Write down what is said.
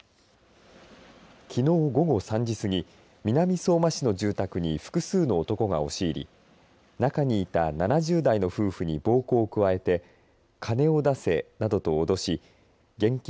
きのう午後３時すぎ南相馬市の住宅に複数の男が押し入り中にいた７０代の夫婦に暴行を加えて金を出せなどと脅し現金